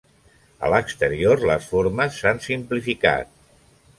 A l'exterior les formes s'han simplificat.